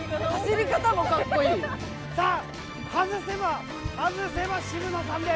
さあ外せば外せば渋野さんです。